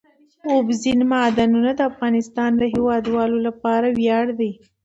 اوبزین معدنونه د افغانستان د هیوادوالو لپاره ویاړ دی.